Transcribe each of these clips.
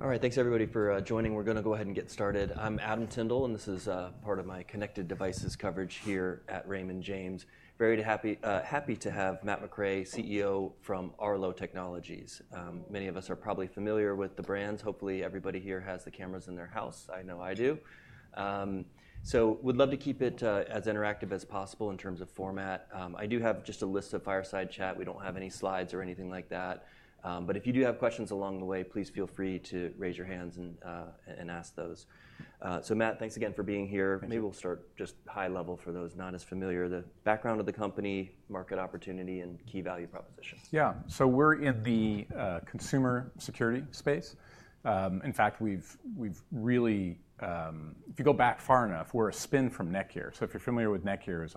All right, thanks everybody for joining. We're going to go ahead and get started. I'm Adam Tyndall, and this is part of my connected devices coverage here at Raymond James. Very happy to have Matt McRae, CEO from Arlo Technologies. Many of us are probably familiar with the brands. Hopefully, everybody here has the cameras in their house. I know I do. So we'd love to keep it as interactive as possible in terms of format. I do have just a list of fireside chat. We don't have any slides or anything like that. But if you do have questions along the way, please feel free to raise your hands and ask those. So Matt, thanks again for being here. Maybe we'll start just high level for those not as familiar: the background of the company, market opportunity, and key value proposition. Yeah, so we're in the consumer security space. In fact, we've really, if you go back far enough, we're a spin from NETGEAR. So if you're familiar with NETGEAR, it's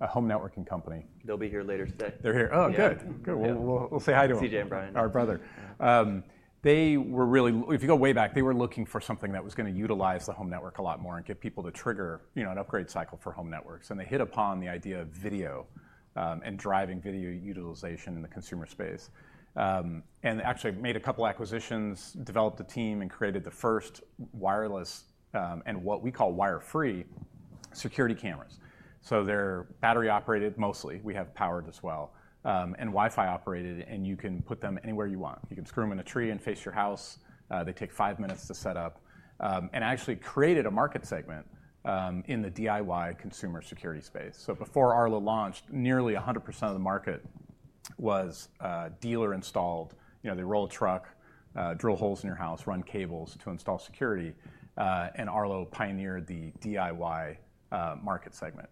a home networking company. They'll be here later today. They're here? Oh, good. Good. We'll say hi to them. CJ and Bryan. Our brother. They were really, if you go way back, they were looking for something that was going to utilize the home network a lot more and get people to trigger an upgrade cycle for home networks, and they hit upon the idea of video and driving video utilization in the consumer space, and actually made a couple of acquisitions, developed a team, and created the first wireless and what we call wire-free security cameras, so they're battery-operated mostly, we have powered as well and Wi-Fi-operated, and you can put them anywhere you want. You can screw them in a tree and face your house. They take five minutes to set up, and actually created a market segment in the DIY consumer security space, so before Arlo launched, nearly 100% of the market was dealer-installed. They roll a truck, drill holes in your house, run cables to install security. Arlo pioneered the DIY market segment.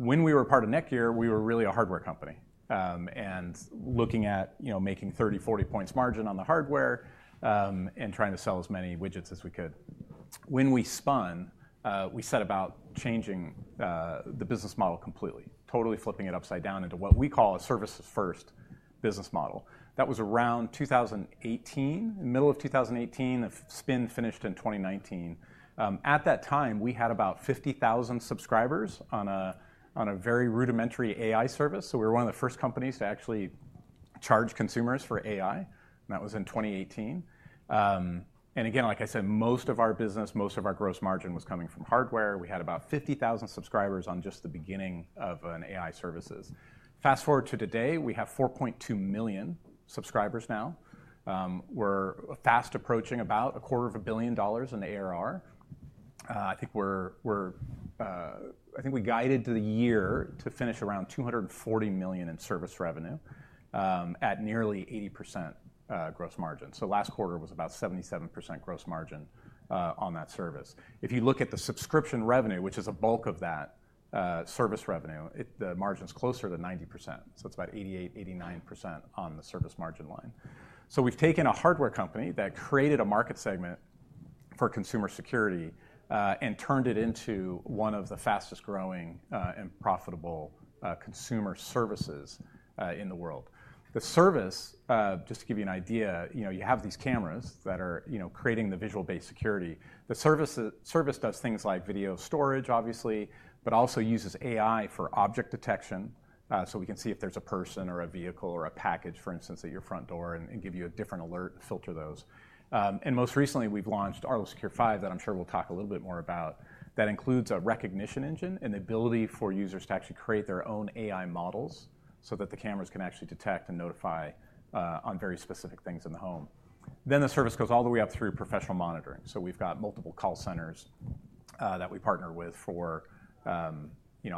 When we were part of NETGEAR, we were really a hardware company. And looking at making 30-40 points margin on the hardware and trying to sell as many widgets as we could. When we spun, we set about changing the business model completely, totally flipping it upside down into what we call a services-first business model. That was around 2018, middle of 2018. The spin finished in 2019. At that time, we had about 50,000 subscribers on a very rudimentary AI service. So we were one of the first companies to actually charge consumers for AI. And that was in 2018. And again, like I said, most of our business, most of our gross margin was coming from hardware. We had about 50,000 subscribers on just the beginning of an AI services. Fast forward to today, we have 4.2 million subscribers now. We're fast approaching about $250 million in ARR. I think we guided to the year to finish around $240 million in service revenue at nearly 80% gross margin. So last quarter was about 77% gross margin on that service. If you look at the subscription revenue, which is a bulk of that service revenue, the margin's closer to 90%. So it's about 88%, 89% on the service margin line. So we've taken a hardware company that created a market segment for consumer security and turned it into one of the fastest growing and profitable consumer services in the world. The service, just to give you an idea, you have these cameras that are creating the visual-based security. The service does things like video storage, obviously, but also uses AI for object detection. So we can see if there's a person or a vehicle or a package, for instance, at your front door and give you a different alert and filter those. And most recently, we've launched Arlo Secure 5 that I'm sure we'll talk a little bit more about. That includes a recognition engine and the ability for users to actually create their own AI models so that the cameras can actually detect and notify on very specific things in the home. Then the service goes all the way up through professional monitoring. So we've got multiple call centers that we partner with for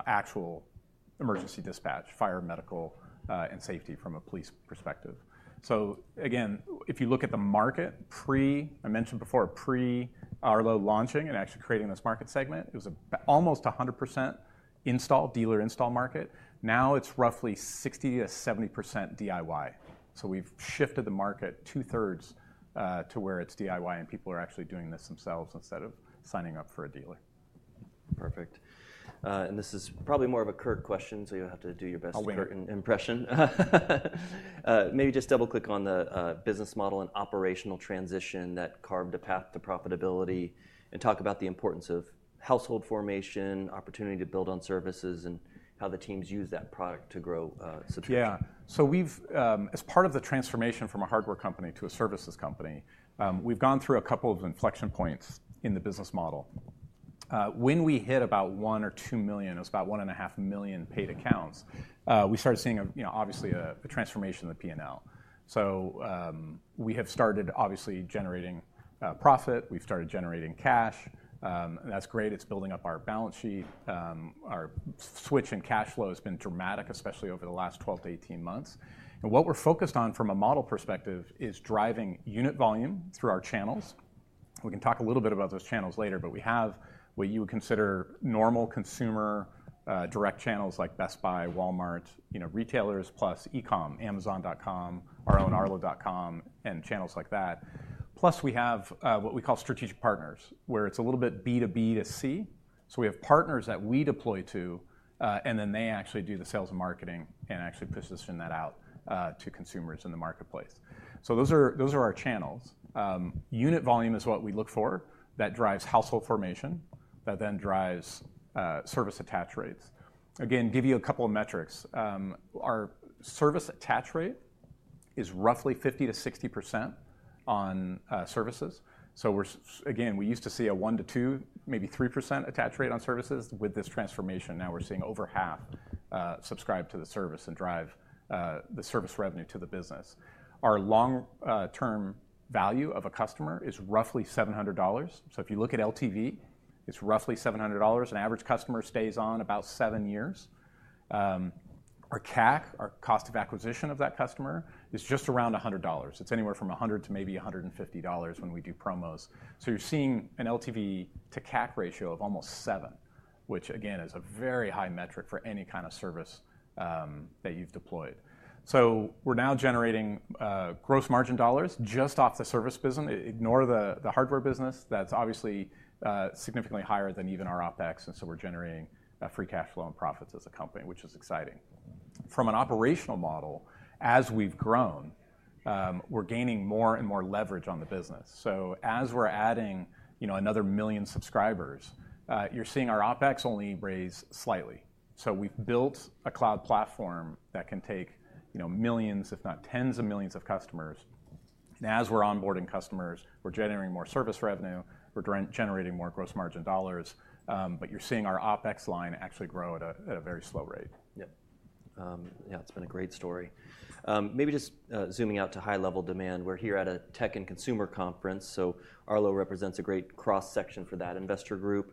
actual emergency dispatch, fire, medical, and safety from a police perspective. So again, if you look at the market, I mentioned before pre-Arlo launching and actually creating this market segment, it was almost 100% install, dealer install market. Now it's roughly 60%-70% DIY. So we've shifted the market two-thirds to where it's DIY and people are actually doing this themselves instead of signing up for a dealer. Perfect. And this is probably more of a Kurt question, so you'll have to do your best to Kurt impression. Maybe just double-click on the business model and operational transition that carved a path to profitability and talk about the importance of household formation, opportunity to build on services, and how the teams use that product to grow subscription. Yeah. So as part of the transformation from a hardware company to a services company, we've gone through a couple of inflection points in the business model. When we hit about one or two million, it was about one and a half million paid accounts, we started seeing obviously a transformation in the P&L. So we have started obviously generating profit. We've started generating cash. That's great. It's building up our balance sheet. Our switch in cash flow has been dramatic, especially over the last 12-18 months. And what we're focused on from a model perspective is driving unit volume through our channels. We can talk a little bit about those channels later, but we have what you would consider normal consumer direct channels like Best Buy, Walmart, retailers, plus e-com, Amazon.com, our own Arlo.com, and channels like that. Plus we have what we call strategic partners, where it's a little bit B2B to C. So we have partners that we deploy to, and then they actually do the sales and marketing and actually position that out to consumers in the marketplace. So those are our channels. Unit volume is what we look for that drives household formation, that then drives service attach rates. Again, give you a couple of metrics. Our service attach rate is roughly 50%-60% on services. So again, we used to see a 1%-2%, maybe 3% attach rate on services. With this transformation, now we're seeing over half subscribe to the service and drive the service revenue to the business. Our long-term value of a customer is roughly $700. So if you look at LTV, it's roughly $700. An average customer stays on about seven years. Our CAC, our cost of acquisition of that customer, is just around $100. It's anywhere from $100 to maybe $150 when we do promos. So you're seeing an LTV to CAC ratio of almost seven, which again is a very high metric for any kind of service that you've deployed. So we're now generating gross margin dollars just off the service business. Ignore the hardware business. That's obviously significantly higher than even our OPEX. And so we're generating free cash flow and profits as a company, which is exciting. From an operational model, as we've grown, we're gaining more and more leverage on the business. So as we're adding another million subscribers, you're seeing our OPEX only raise slightly. So we've built a cloud platform that can take millions, if not tens of millions of customers. And as we're onboarding customers, we're generating more service revenue. We're generating more gross margin dollars. But you're seeing our OpEx line actually grow at a very slow rate. Yeah. Yeah, it's been a great story. Maybe just zooming out to high-level demand. We're here at a tech and consumer conference. So Arlo represents a great cross-section for that investor group.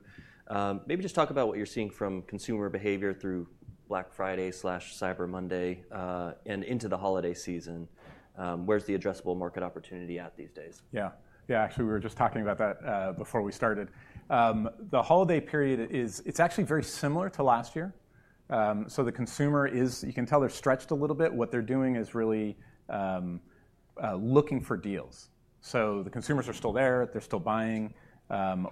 Maybe just talk about what you're seeing from consumer behavior through Black Friday/Cyber Monday and into the holiday season. Where's the addressable market opportunity at these days? Yeah. Yeah, actually, we were just talking about that before we started. The holiday period, it's actually very similar to last year. So the consumer is, you can tell they're stretched a little bit. What they're doing is really looking for deals. So the consumers are still there. They're still buying.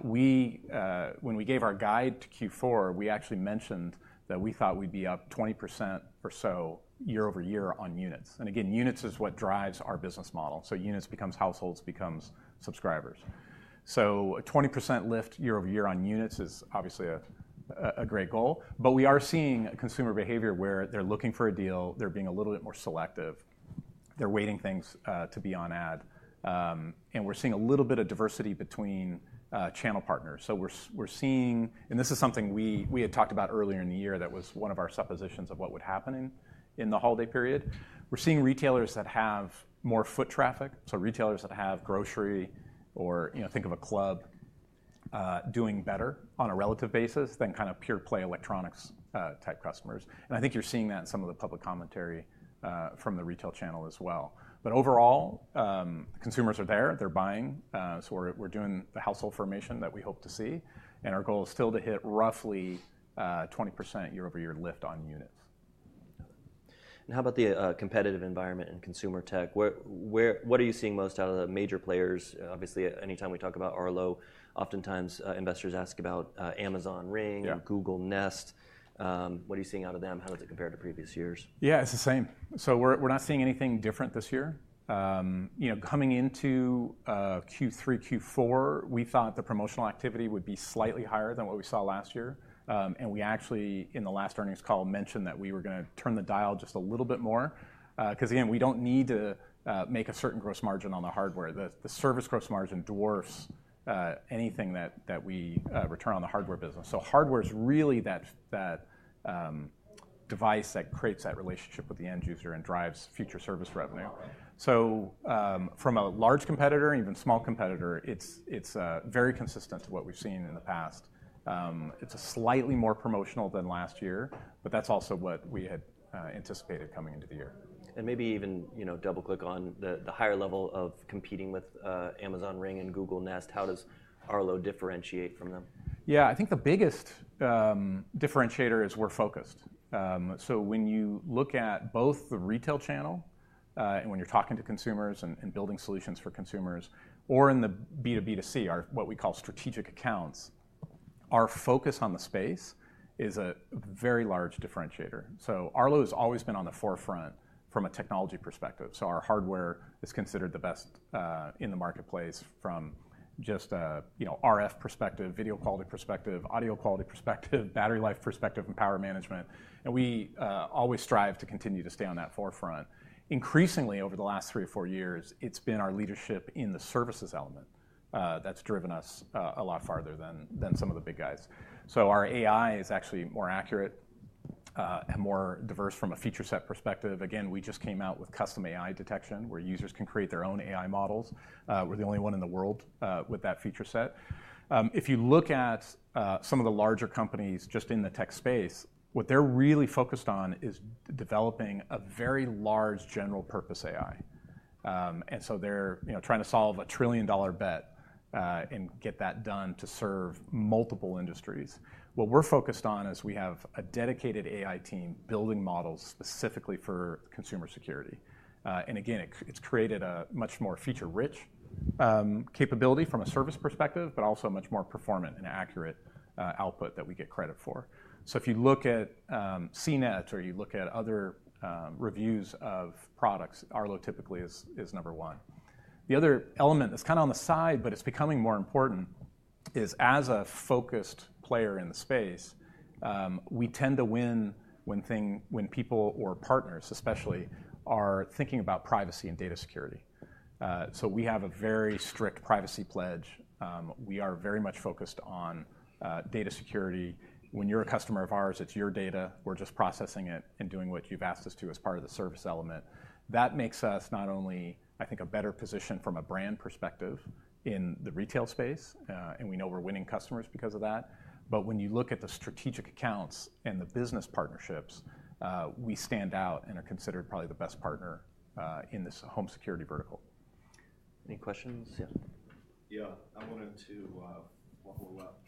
When we gave our guide to Q4, we actually mentioned that we thought we'd be up 20% or so year over year on units. And again, units is what drives our business model. So units becomes households becomes subscribers. So a 20% lift year over year on units is obviously a great goal. But we are seeing consumer behavior where they're looking for a deal. They're being a little bit more selective. They're waiting things to be on ad. And we're seeing a little bit of diversity between channel partners. We're seeing, and this is something we had talked about earlier in the year that was one of our suppositions of what would happen in the holiday period. We're seeing retailers that have more foot traffic. Retailers that have grocery or think of a club doing better on a relative basis than kind of pure play electronics type customers. I think you're seeing that in some of the public commentary from the retail channel as well. Overall, consumers are there. They're buying. We're doing the household formation that we hope to see. Our goal is still to hit roughly 20% year-over-year lift on units. How about the competitive environment and consumer tech? What are you seeing most out of the major players? Obviously, anytime we talk about Arlo, oftentimes investors ask about Amazon Ring, Google Nest. What are you seeing out of them? How does it compare to previous years? Yeah, it's the same. So we're not seeing anything different this year. Coming into Q3, Q4, we thought the promotional activity would be slightly higher than what we saw last year. And we actually, in the last earnings call, mentioned that we were going to turn the dial just a little bit more. Because again, we don't need to make a certain gross margin on the hardware. The service gross margin dwarfs anything that we return on the hardware business. So hardware is really that device that creates that relationship with the end user and drives future service revenue. So from a large competitor, even small competitor, it's very consistent to what we've seen in the past. It's slightly more promotional than last year, but that's also what we had anticipated coming into the year. Maybe even double-click on the higher level of competing with Amazon Ring and Google Nest. How does Arlo differentiate from them? Yeah, I think the biggest differentiator is we're focused. So when you look at both the retail channel and when you're talking to consumers and building solutions for consumers or in the B2B to C, what we call strategic accounts, our focus on the space is a very large differentiator. So Arlo has always been on the forefront from a technology perspective. So our hardware is considered the best in the marketplace from just RF perspective, video quality perspective, audio quality perspective, battery life perspective, and power management. And we always strive to continue to stay on that forefront. Increasingly, over the last three or four years, it's been our leadership in the services element that's driven us a lot farther than some of the big guys. So our AI is actually more accurate and more diverse from a feature set perspective. Again, we just came out with custom AI detection where users can create their own AI models. We're the only one in the world with that feature set. If you look at some of the larger companies just in the tech space, what they're really focused on is developing a very large general purpose AI. And so they're trying to solve a trillion-dollar bet and get that done to serve multiple industries. What we're focused on is we have a dedicated AI team building models specifically for consumer security. And again, it's created a much more feature-rich capability from a service perspective, but also a much more performant and accurate output that we get credit for. So if you look at CNET or you look at other reviews of products, Arlo typically is number one. The other element that's kind of on the side, but it's becoming more important, is as a focused player in the space, we tend to win when people or partners especially are thinking about privacy and data security. So we have a very strict privacy pledge. We are very much focused on data security. When you're a customer of ours, it's your data. We're just processing it and doing what you've asked us to as part of the service element. That makes us not only, I think, a better position from a brand perspective in the retail space, and we know we're winning customers because of that. But when you look at the strategic accounts and the business partnerships, we stand out and are considered probably the best partner in this home security vertical. Any questions? Yeah. Yeah, I wanted to follow up.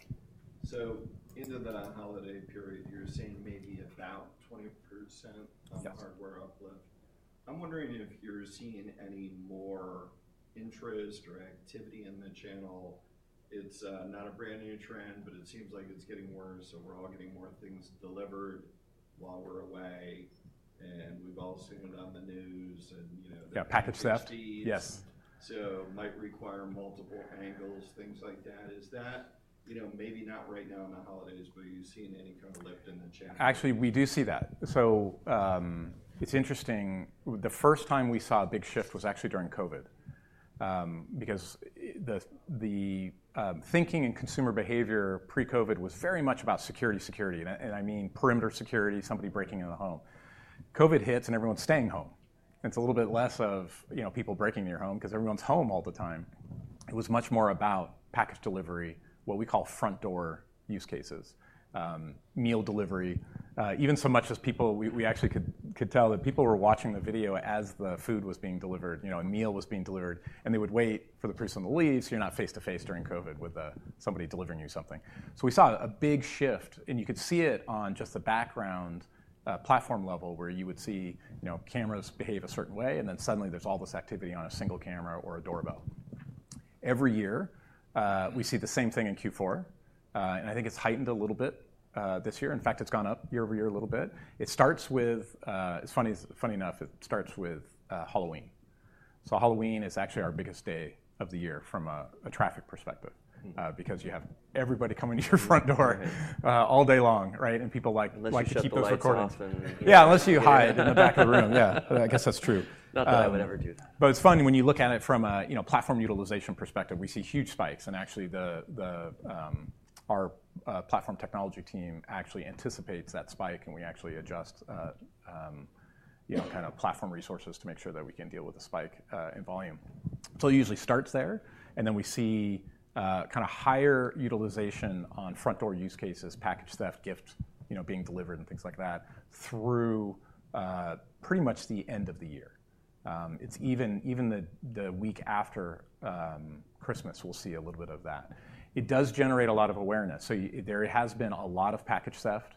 So into the holiday period, you're seeing maybe about 20% hardware uplift. I'm wondering if you're seeing any more interest or activity in the channel. It's not a brand new trend, but it seems like it's getting worse. So we're all getting more things delivered while we're away. And we've all seen it on the news and. Yeah, package theft. Yes. So it might require multiple angles, things like that. Is that maybe not right now in the holidays, but are you seeing any kind of lift in the channel? Actually, we do see that. So it's interesting. The first time we saw a big shift was actually during COVID because the thinking and consumer behavior pre-COVID was very much about security, security. And I mean perimeter security, somebody breaking in the home. COVID hits and everyone's staying home. And it's a little bit less of people breaking in your home because everyone's home all the time. It was much more about package delivery, what we call front door use cases, meal delivery, even so much as people, we actually could tell that people were watching the video as the food was being delivered, a meal was being delivered. And they would wait for the person to leave. So you're not face to face during COVID with somebody delivering you something. So we saw a big shift. You could see it on just the background platform level where you would see cameras behave a certain way, then suddenly there's all this activity on a single camera or a doorbell. Every year we see the same thing in Q4. I think it's heightened a little bit this year. In fact, it's gone up year over year a little bit. It starts with, funny enough, Halloween. Halloween is actually our biggest day of the year from a traffic perspective because you have everybody coming to your front door all day long, right? People like to keep those recordings. Yeah, unless you hide in the back of the room. Yeah, I guess that's true. Not that I would ever do that. But it's funny when you look at it from a platform utilization perspective. We see huge spikes. Actually, our platform technology team actually anticipates that spike. We actually adjust kind of platform resources to make sure that we can deal with the spike in volume. So it usually starts there. Then we see kind of higher utilization on front door use cases, package theft, gifts being delivered, and things like that through pretty much the end of the year. It's even the week after Christmas we'll see a little bit of that. It does generate a lot of awareness. So there has been a lot of package theft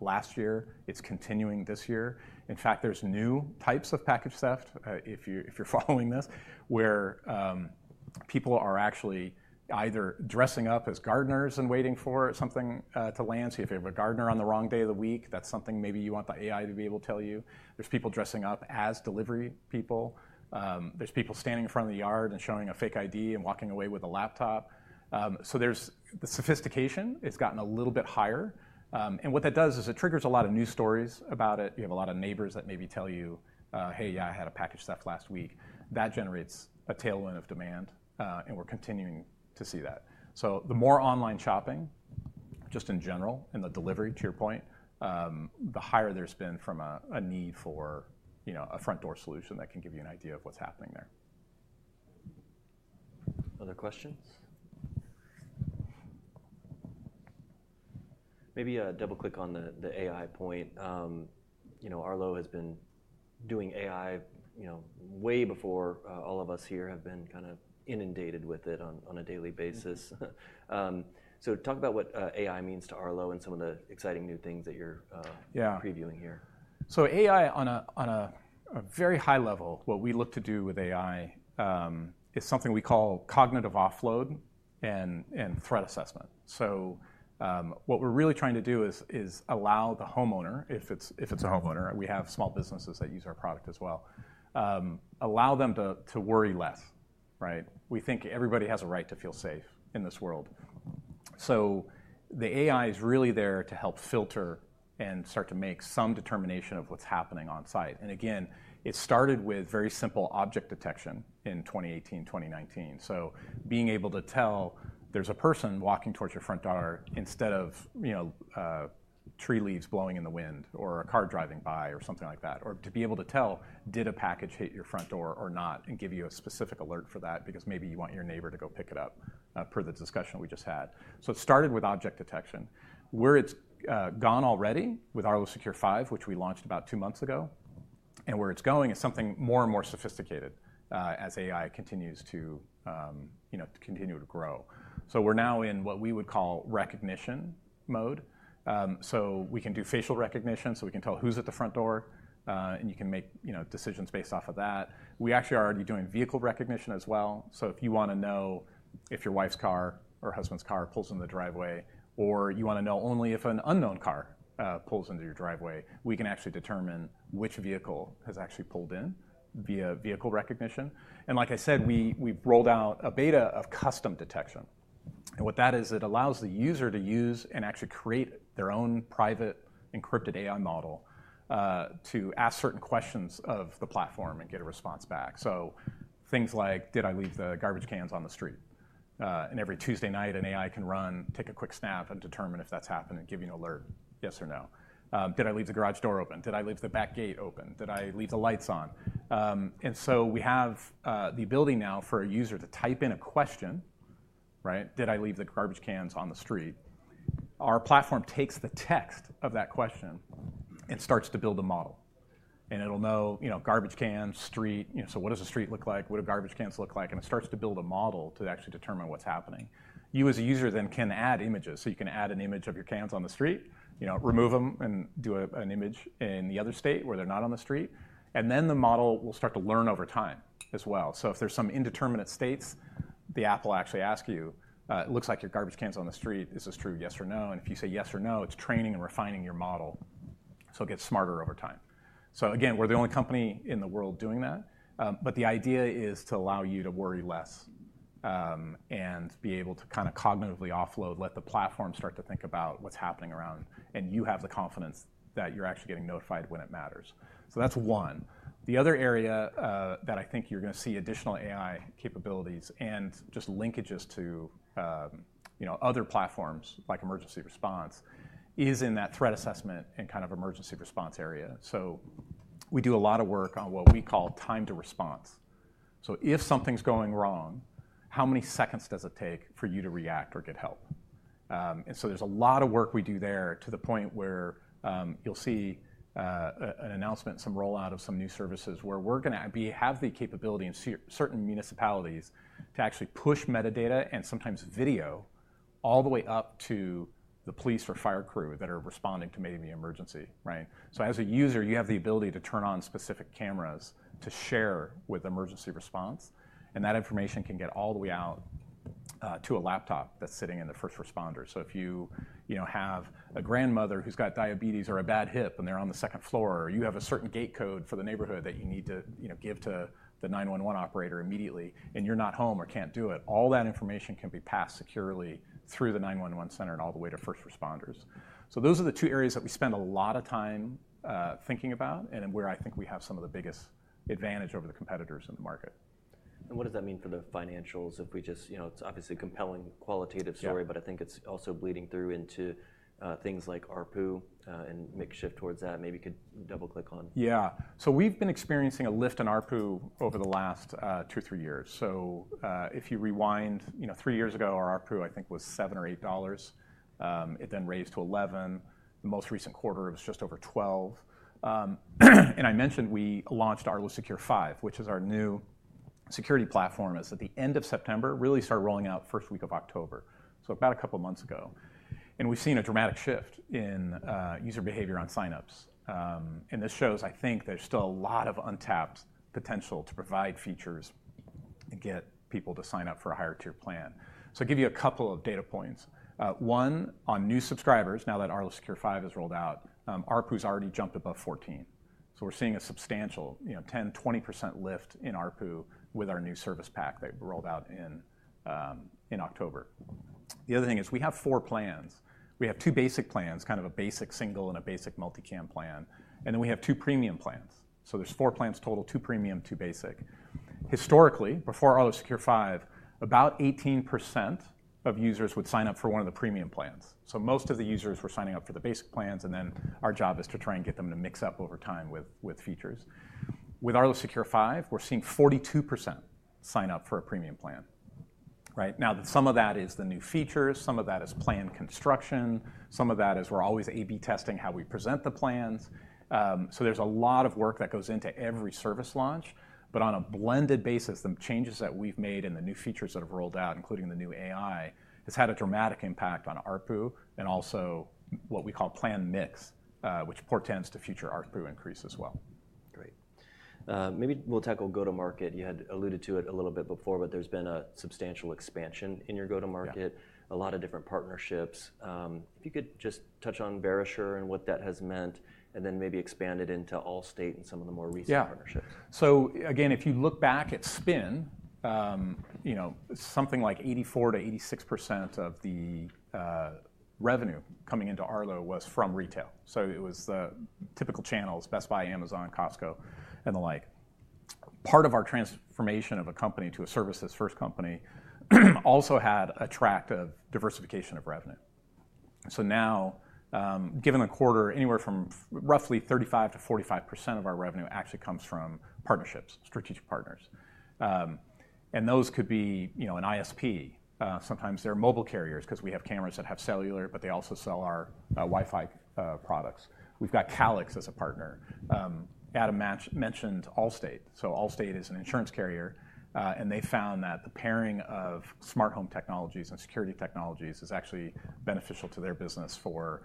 last year. It's continuing this year. In fact, there's new types of package theft, if you're following this, where people are actually either dressing up as gardeners and waiting for something to land. So if you have a gardener on the wrong day of the week, that's something maybe you want the AI to be able to tell you. There's people dressing up as delivery people. There's people standing in front of the yard and showing a fake ID and walking away with a laptop. So the sophistication has gotten a little bit higher. And what that does is it triggers a lot of news stories about it. You have a lot of neighbors that maybe tell you, "Hey, yeah, I had a package theft last week." That generates a tailwind of demand. And we're continuing to see that. So the more online shopping, just in general, and the delivery, to your point, the higher there's been from a need for a front door solution that can give you an idea of what's happening there. Other questions? Maybe a double-click on the AI point. Arlo has been doing AI way before all of us here have been kind of inundated with it on a daily basis. So talk about what AI means to Arlo and some of the exciting new things that you're previewing here. So, AI, on a very high level, what we look to do with AI is something we call cognitive offload and threat assessment. So, what we're really trying to do is allow the homeowner, if it's a homeowner, we have small businesses that use our product as well, allow them to worry less. We think everybody has a right to feel safe in this world. So, the AI is really there to help filter and start to make some determination of what's happening on site, and again, it started with very simple object detection in 2018, 2019. So being able to tell there's a person walking towards your front door instead of tree leaves blowing in the wind or a car driving by or something like that, or to be able to tell, did a package hit your front door or not, and give you a specific alert for that because maybe you want your neighbor to go pick it up per the discussion we just had. So it started with object detection. Where it's gone already with Arlo Secure 5, which we launched about two months ago, and where it's going is something more and more sophisticated as AI continues to grow. So we're now in what we would call recognition mode. So we can do facial recognition. So we can tell who's at the front door. And you can make decisions based off of that. We actually are already doing vehicle recognition as well. So if you want to know if your wife's car or husband's car pulls into the driveway, or you want to know only if an unknown car pulls into your driveway, we can actually determine which vehicle has actually pulled in via vehicle recognition. And like I said, we've rolled out a beta of custom detection. And what that is, it allows the user to use and actually create their own private encrypted AI model to ask certain questions of the platform and get a response back. So things like, did I leave the garbage cans on the street? And every Tuesday night, an AI can run, take a quick snap, and determine if that's happened and give you an alert, yes or no. Did I leave the garage door open? Did I leave the back gate open? Did I leave the lights on? And so we have the ability now for a user to type in a question, right? Did I leave the garbage cans on the street? Our platform takes the text of that question and starts to build a model. And it'll know garbage cans, street. So what does a street look like? What do garbage cans look like? And it starts to build a model to actually determine what's happening. You as a user then can add images. So you can add an image of your cans on the street, remove them, and do an image in the other state where they're not on the street. And then the model will start to learn over time as well. So if there's some indeterminate states, the app will actually ask you: "It looks like your garbage cans on the street. Is this true, yes or no? And if you say yes or no, it's training and refining your model. So it gets smarter over time. So again, we're the only company in the world doing that. But the idea is to allow you to worry less and be able to kind of cognitively offload, let the platform start to think about what's happening around, and you have the confidence that you're actually getting notified when it matters. So that's one. The other area that I think you're going to see additional AI capabilities and just linkages to other platforms like emergency response is in that threat assessment and kind of emergency response area. So we do a lot of work on what we call time to response. So if something's going wrong, how many seconds does it take for you to react or get help? And so there's a lot of work we do there to the point where you'll see an announcement, some rollout of some new services where we're going to have the capability in certain municipalities to actually push metadata and sometimes video all the way up to the police or fire crew that are responding to maybe an emergency, right? So as a user, you have the ability to turn on specific cameras to share with emergency response. And that information can get all the way out to a laptop that's sitting in the first responder. If you have a grandmother who's got diabetes or a bad hip and they're on the second floor, or you have a certain gate code for the neighborhood that you need to give to the 911 operator immediately, and you're not home or can't do it, all that information can be passed securely through the 911 center and all the way to first responders. Those are the two areas that we spend a lot of time thinking about and where I think we have some of the biggest advantage over the competitors in the market. And what does that mean for the financials? It's obviously a compelling qualitative story, but I think it's also bleeding through into things like ARPU and metrics towards that maybe could double-click on. Yeah. So we've been experiencing a lift in ARPU over the last two or three years. So if you rewind, three years ago, our ARPU, I think, was $7 or $8. It then raised to $11. The most recent quarter was just over $12. And I mentioned we launched Arlo Secure 5, which is our new security platform, is at the end of September, really started rolling out first week of October, so about a couple of months ago. And we've seen a dramatic shift in user behavior on signups. And this shows, I think, there's still a lot of untapped potential to provide features and get people to sign up for a higher tier plan. So I'll give you a couple of data points. One, on new subscribers, now that Arlo Secure 5 is rolled out, ARPU's already jumped above $14. We're seeing a substantial 10%-20% lift in ARPU with our new service pack that we rolled out in October. The other thing is we have four plans. We have two basic plans, kind of a basic single and a basic multi-cam plan. And then we have two premium plans. There's four plans total, two premium, two basic. Historically, before Arlo Secure 5, about 18% of users would sign up for one of the premium plans. So most of the users were signing up for the basic plans. And then our job is to try and get them to mix up over time with features. With Arlo Secure 5, we're seeing 42% sign up for a premium plan. Now, some of that is the new features. Some of that is plan construction. Some of that is we're always A/B testing how we present the plans. So there's a lot of work that goes into every service launch. But on a blended basis, the changes that we've made and the new features that have rolled out, including the new AI, has had a dramatic impact on ARPU and also what we call plan mix, which portends to future ARPU increase as well. Great. Maybe we'll tackle go-to-market. You had alluded to it a little bit before, but there's been a substantial expansion in your go-to-market, a lot of different partnerships. If you could just touch on Verisure and what that has meant, and then maybe expand it into Allstate and some of the more recent partnerships. Yeah. So again, if you look back at spin, something like 84%-86% of the revenue coming into Arlo was from retail. So it was the typical channels, Best Buy, Amazon, Costco, and the like. Part of our transformation of a company to a services-first company also had a track of diversification of revenue. So now, given the quarter, anywhere from roughly 35%-45% of our revenue actually comes from partnerships, strategic partners. And those could be an ISP. Sometimes they're mobile carriers because we have cameras that have cellular, but they also sell our Wi-Fi products. We've got Calix as a partner. Adam mentioned Allstate. So Allstate is an insurance carrier. And they found that the pairing of smart home technologies and security technologies is actually beneficial to their business for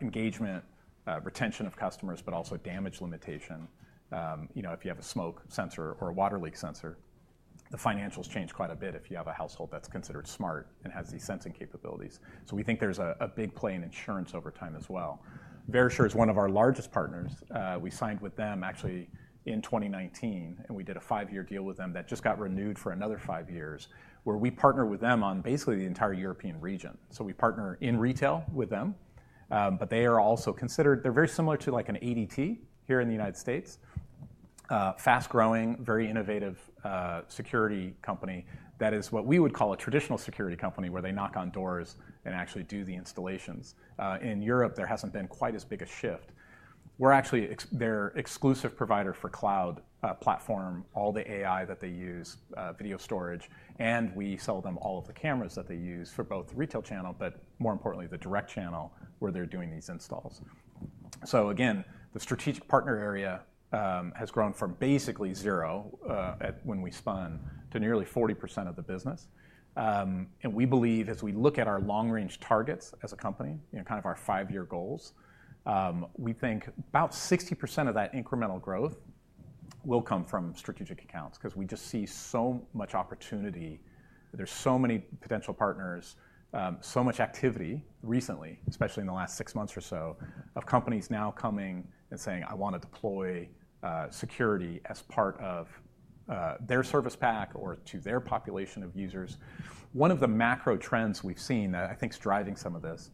engagement, retention of customers, but also damage limitation. If you have a smoke sensor or a water leak sensor, the financials change quite a bit if you have a household that's considered smart and has these sensing capabilities. So we think there's a big play in insurance over time as well. Verisure is one of our largest partners. We signed with them actually in 2019, and we did a five-year deal with them that just got renewed for another five years, where we partner with them on basically the entire European region, so we partner in retail with them, but they are also considered. They're very similar to like an ADT here in the United States, fast-growing, very innovative security company that is what we would call a traditional security company where they knock on doors and actually do the installations. In Europe, there hasn't been quite as big a shift. We're actually their exclusive provider for cloud platform, all the AI that they use, video storage. And we sell them all of the cameras that they use for both the retail channel, but more importantly, the direct channel where they're doing these installs. So again, the strategic partner area has grown from basically zero when we spun to nearly 40% of the business. And we believe, as we look at our long-range targets as a company, kind of our five-year goals, we think about 60% of that incremental growth will come from strategic accounts because we just see so much opportunity. There's so many potential partners, so much activity recently, especially in the last six months or so, of companies now coming and saying, "I want to deploy security as part of their service pack or to their population of users." One of the macro trends we've seen that I think is driving some of this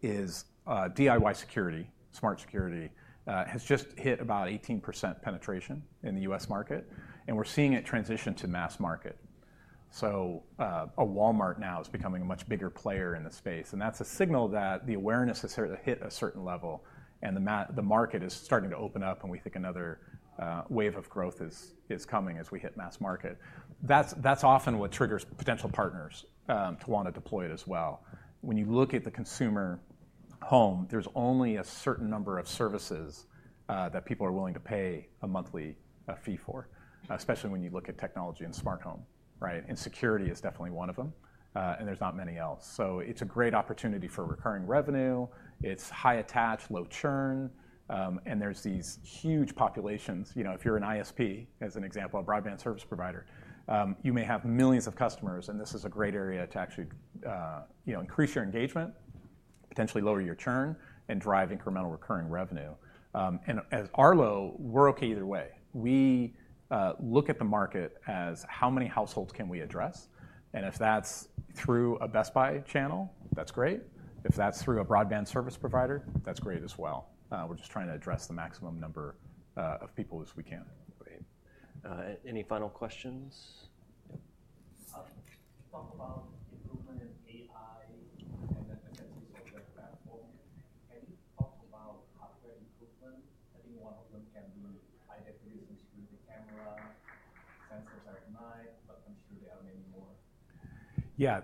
is DIY security, smart security, has just hit about 18% penetration in the U.S. market, and we're seeing it transition to mass market, so Walmart now is becoming a much bigger player in the space, and that's a signal that the awareness has hit a certain level and the market is starting to open up, and we think another wave of growth is coming as we hit mass market, that's often what triggers potential partners to want to deploy it as well. When you look at the consumer home, there's only a certain number of services that people are willing to pay a monthly fee for, especially when you look at technology and smart home, and security is definitely one of them, and there's not many else, so it's a great opportunity for recurring revenue. It's high attach, low churn, and there's these huge populations. If you're an ISP, as an example, a broadband service provider, you may have millions of customers, and this is a great area to actually increase your engagement, potentially lower your churn, and drive incremental recurring revenue, and as Arlo, we're OK either way. We look at the market as how many households can we address, and if that's through a Best Buy channel, that's great. If that's through a broadband service provider, that's great as well. We're just trying to address the maximum number of people as we can. Great. Any final questions? Talk about improvement in AI and efficiencies of the platform. Can you talk about hardware improvement? I think one of them can be high definition security camera, sensors at night, but I'm sure there are many more. Yeah.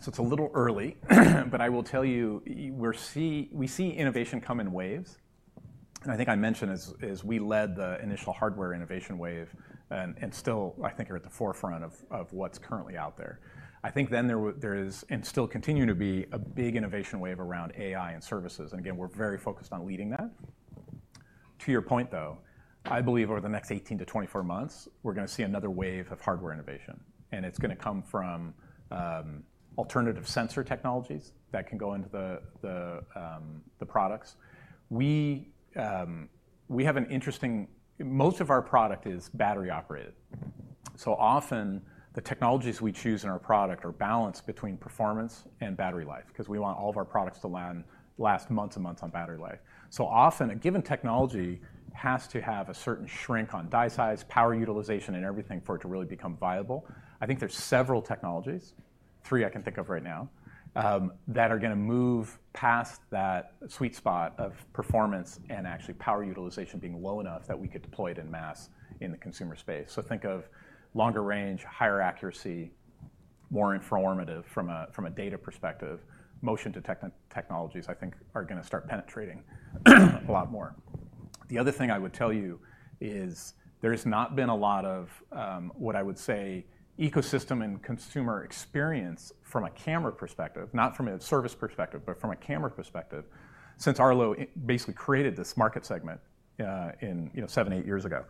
So it's a little early. But I will tell you, we see innovation come in waves. And I think I mentioned as we led the initial hardware innovation wave and still, I think, are at the forefront of what's currently out there. I think then there is and still continue to be a big innovation wave around AI and services. And again, we're very focused on leading that. To your point, though, I believe over the next 18 to 24 months, we're going to see another wave of hardware innovation. And it's going to come from alternative sensor technologies that can go into the products. We have an interesting most of our product is battery operated. So often, the technologies we choose in our product are balanced between performance and battery life because we want all of our products to last months and months on battery life. So often, a given technology has to have a certain shrink on die size, power utilization, and everything for it to really become viable. I think there's several technologies, three I can think of right now, that are going to move past that sweet spot of performance and actually power utilization being low enough that we could deploy it en masse in the consumer space. So think of longer range, higher accuracy, more informative from a data perspective. Motion detection technologies, I think, are going to start penetrating a lot more. The other thing I would tell you is there has not been a lot of what I would say ecosystem and consumer experience from a camera perspective, not from a service perspective, but from a camera perspective, since Arlo basically created this market segment seven, eight years ago.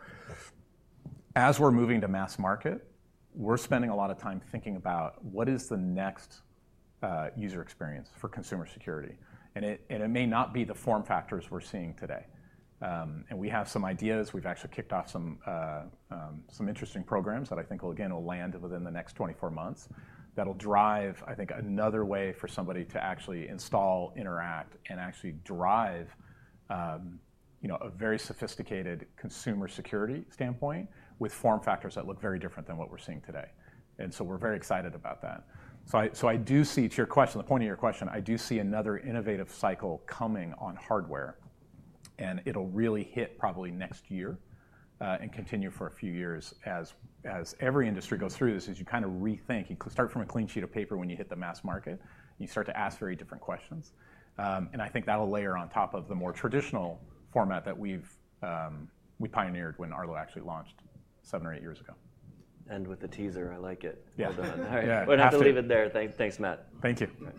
As we're moving to mass market, we're spending a lot of time thinking about what is the next user experience for consumer security, and it may not be the form factors we're seeing today, and we have some ideas. We've actually kicked off some interesting programs that I think, again, will land within the next 24 months that'll drive, I think, another way for somebody to actually install, interact, and actually drive a very sophisticated consumer security standpoint with form factors that look very different than what we're seeing today, and so we're very excited about that, so I do see, to your question, the point of your question, I do see another innovative cycle coming on hardware, and it'll really hit probably next year and continue for a few years. As every industry goes through this, as you kind of rethink, you start from a clean sheet of paper when you hit the mass market. You start to ask very different questions, and I think that'll layer on top of the more traditional format that we pioneered when Arlo actually launched seven or eight years ago. With the teaser, I like it. Yeah. We're going to have to leave it there. Thanks, Matt. Thank you.